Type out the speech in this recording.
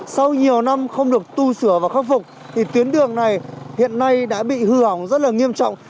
sau nhiều năm không được tu sửa và khắc phục thì tuyến đường này hiện nay đã bị hư hỏng rất là nghiêm trọng